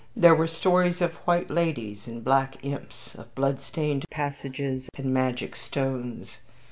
There were stories of white ladies and black imps, of bloodstained passages and magic stones.